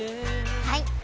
はい！